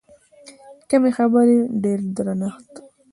کمې خبرې، ډېر درنښت.